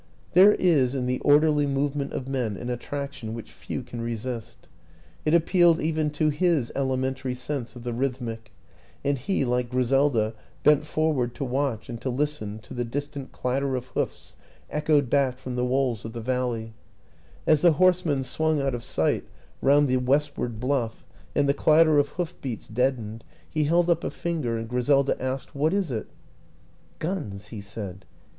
There is in the or derly movement of men an attraction which few can resist; it appealed even to his elementary sense of the rhythmic, and he, like Griselda, bent forward to watch and to listen to the distant clat ter of hoofs echoed back from the walls of the WILLIAM AN ENGLISHMAN 61 valley. As the horsemen swung out of sight round the westward bluff and the clatter of hoof beats deadened, he held up a finger, and Griselda asked, "What is it?" " Guns," he said.